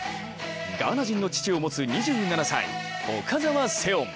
ガーナ人の父を持つ２７歳、岡澤セオン。